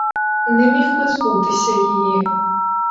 Не міг позбутися її.